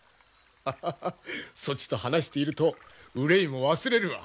ハハハそちと話していると憂いも忘れるわ。